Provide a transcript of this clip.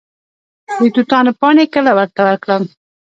د توتانو پاڼې کله ورته ورکړم؟